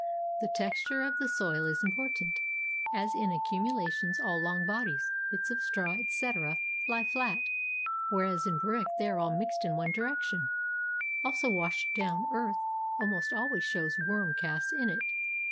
The texture of the soil is important, as in accumulations all long bodies, bits of straw, etc., lie flat; whereas in brick they are mixed in all directions. Also washed down earth almost always shows worm casts in it.